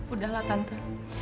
udah lah tante